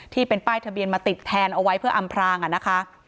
ที่เป็นป้ายทะเบียนมาติดแทนเอาไว้เพื่ออำพรางอ่ะนะคะ